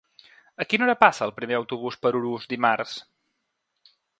A quina hora passa el primer autobús per Urús dimarts?